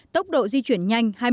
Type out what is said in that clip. tốc độ di chuyển nhanh